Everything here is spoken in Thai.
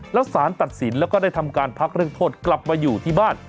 แล้วสารตัดสินแล้วก็ได้ทำการพักเรื่องโทษกลับมาอยู่ที่บ้าน